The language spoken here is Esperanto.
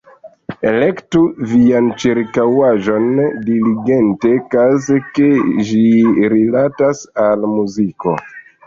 Elektu vian ĉirkaŭaĵon diligente, kaze ke ĝi rilatas al muziko.